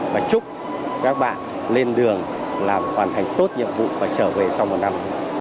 và chúc các bạn lên đường làm hoàn thành tốt nhiệm vụ và trở về sau một năm